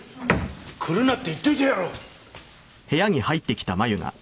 来るなって言っておいたやろ！